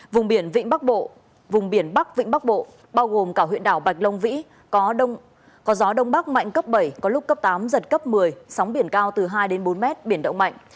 vùng biển bắc vĩ bắc bộ bao gồm cả huyện đảo bạch long vĩ có gió đông bắc mạnh cấp bảy có lúc cấp tám giật cấp một mươi sóng biển cao từ hai đến bốn mét biển động mạnh